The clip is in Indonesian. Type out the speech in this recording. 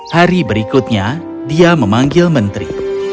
hari berikutnya dia memanggil menteri